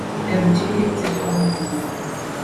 Er betätigt sich auch als Sänger.